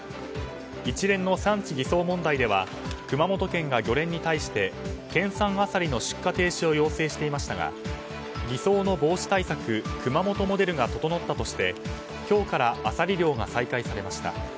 一連の産地偽装問題では熊本県が漁連に対して県産アサリの出荷停止を要請していましたが偽装の防止対策、熊本モデルが整ったとして、今日からアサリ漁が再開されました。